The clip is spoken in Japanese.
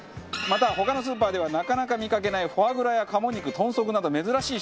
また他のスーパーではなかなか見かけないフォアグラや鴨肉豚足など珍しい商品も。